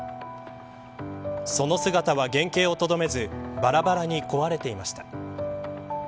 その姿は原形をとどめずばらばらに壊れていました。